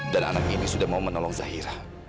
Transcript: dan anak ini sudah mau menolong zahira